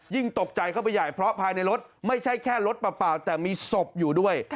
ตกใจเข้าไปใหญ่เพราะภายในรถไม่ใช่แค่รถเปล่าแต่มีศพอยู่ด้วย